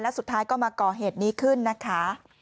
แล้วสุดท้ายก็มาก่อเหตุนี้ขึ้นนะคะ